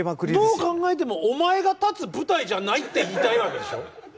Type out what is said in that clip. どう考えてもお前が立つ舞台じゃないって言いたいわけでしょ。